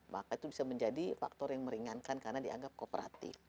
maka itu bisa menjadi faktor yang meringankan karena dianggap kooperatif